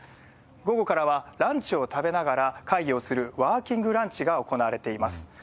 午後からは、ランチを食べながら会議をするワーキングランチが行われています。